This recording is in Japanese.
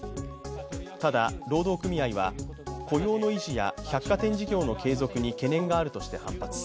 ただ、労働組合は雇用の維持や百貨店事業の継続に懸念があるとして反発。